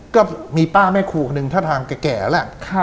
ก็มีป้าแม่ครูหนึ่งท่าทางอะไรแก่ละ